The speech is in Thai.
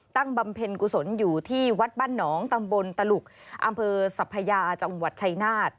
บำเพ็ญกุศลอยู่ที่วัดบ้านหนองตำบลตลุกอำเภอสัพพยาจังหวัดชัยนาธ